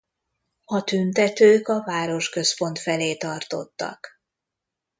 A tüntetők a városközpont felé tartottak.